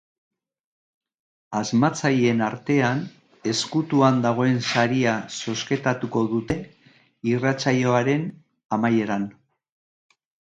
Asmatzaileen artean ezkutuan dagoen saria zozketatuko dute irratsaioaren amaieran.